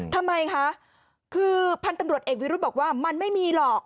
ทำไมคะคือพันธุ์ตำรวจเอกวิรุธบอกว่ามันไม่มีหรอก